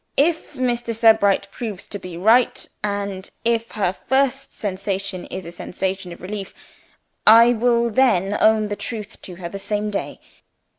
If Mr. Sebright proves to be right, and if her first sensation is a sensation of relief, I will own the truth to her the same day.